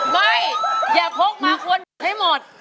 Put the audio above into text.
ไม่อย่าพกมาคนให้หมด